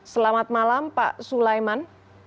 selamat malam pak sulaiman